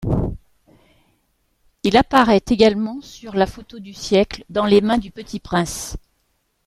Il apparaît également sur la Photo du siècle, dans les mains du Petit prince.